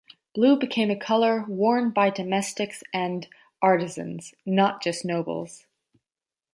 Blue became a colour worn by domestics and artisans, not just nobles.